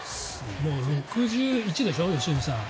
６１でしょ、良純さん。